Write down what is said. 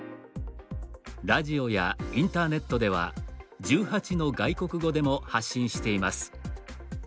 ラジオやインターネットでは１８の外国語でも発信しています。